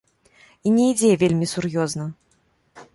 І не ідзе вельмі сур'ёзна.